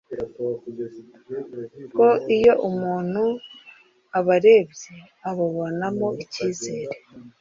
ko iyo umuntu abarebye ababonamo icyizere